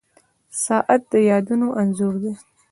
• ساعت د یادونو انځور دی.